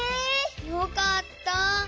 よかった。